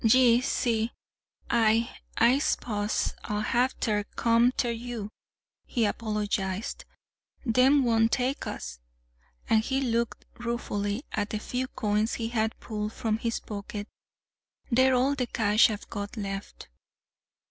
"Ye see, I I s'pose I'll have ter come ter you," he apologized. "Them won't take us!" And he looked ruefully at a few coins he had pulled from his pocket. "They're all the cash I've got left."